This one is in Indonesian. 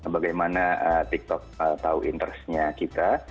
bagaimana tiktok tahu interest nya kita